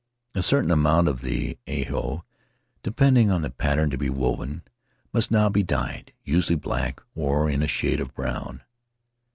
A certain amount of the aeho, depending on the pattern to be woven, must now be dyed — usually black or in a shade of brown.